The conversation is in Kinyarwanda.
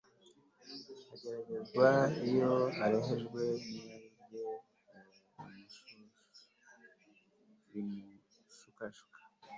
ageragezwa iyo arehejwe n irari rye rimushukashuka